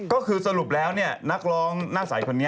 ก็คือสรุปแล้วนักร้องหน้าใสคนนี้